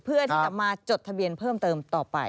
เพื่อที่จะมาจดทะเบียนเพิ่มเติมต่อไป